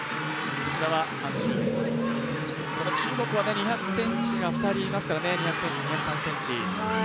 中国は２００ｃｍが２人いますから、２００ｃｍ、２０３ｃｍ。